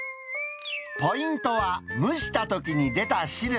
ポイントは、蒸したときに出た汁。